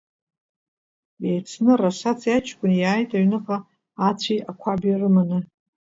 Еицны Расаци аҷкәыни иааит аҩныҟа ацәи ақәаби рыманы.